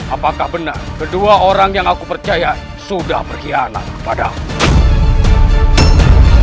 apakah benar kedua orang yang aku percaya sudah berkhianat kepadaku